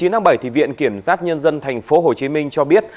ngày một mươi chín bảy viện kiểm giác nhân dân tp hcm cho biết